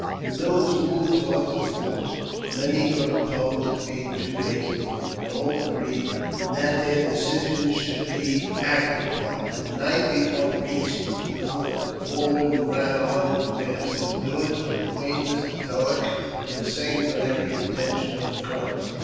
The village moved towards the fort. Many were opposed being too hasty, but all agreed that their decisions should bt acted upon. The night before the village reached the fort, foii women ran on in advance of the village to acquaint Mr Tulleck of the sanguinary intention of the Crows.